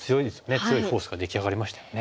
強いフォースが出来上がりましたよね。